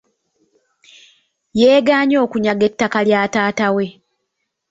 Yeegaanye okunyaga ettaka lya taata we.